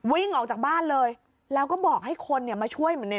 วิ่งออกจากบ้านเลยแล้วก็บอกให้คนมาช่วยเหมือนใน